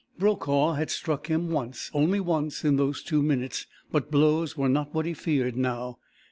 Brokaw had struck him once only once in those two minutes, but blows were not what he feared now.